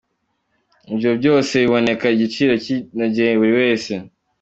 Ibyo byose bibonekaku giciro kinogeye buri wese.